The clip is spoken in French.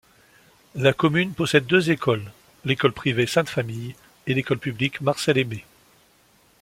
La commune possède deux écoles, l'école privé Sainte-Famille et l'école publique Marcel-Aymé.